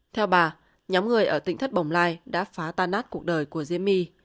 theo bà nhóm người ở tỉnh thất bồng lai đã phá tan nát cuộc đời của diêm my